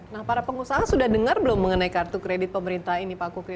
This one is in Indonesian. nah para pengusaha sudah dengar belum mengenai kartu kredit pemerintah ini pak kukri